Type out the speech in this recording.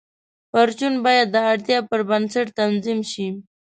پرچون باید د اړتیا پر بنسټ تنظیم شي.